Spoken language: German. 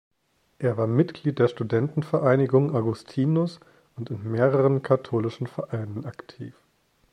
Er war Mitglied der Studentenvereinigung Augustinus und in mehreren katholischen Vereinen aktiv.